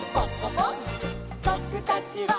「ぼくたちは」